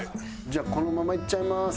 じゃあこのままいっちゃいます。